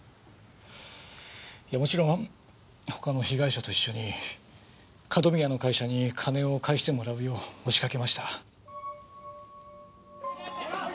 いやもちろん他の被害者と一緒に角宮の会社に金を返してもらうよう押しかけました。